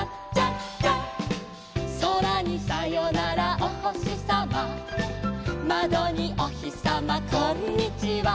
「そらにさよならおほしさま」「まどにおひさまこんにちは」